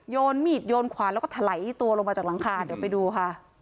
อ๋อถลัยลงกลางค่ะให้เร็ก